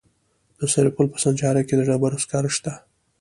د سرپل په سانچارک کې د ډبرو سکاره شته.